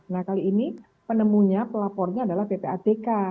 nah kali ini penemunya pelapornya adalah ppatk